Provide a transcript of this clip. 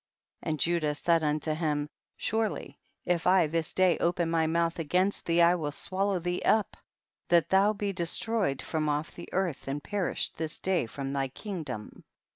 12. And Judah said unto him, surely if I this day open my mouth against thee I would swallow thee up that thou be destroyed from off the earth and perish this day from thy kingdom.